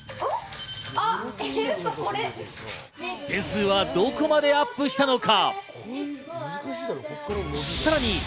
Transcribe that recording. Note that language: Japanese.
点数はどこまでアップしたのか。